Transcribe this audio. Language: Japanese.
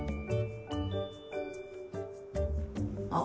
あっ！